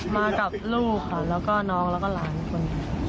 มากับลูกแล้วน้องแล้วล้านคน